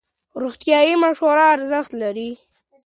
روغتیایي مشوره ارزښت لري.